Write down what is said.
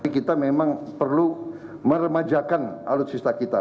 kita memang perlu meremajakan alutsista kita